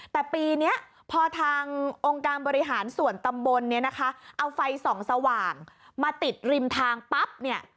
แต่ปีนี้พอทางองค์การบริหารส่วนตำบลเนี่ยนะคะเอาไฟส่องสว่างมาติดริมทางปั๊บเนี่ย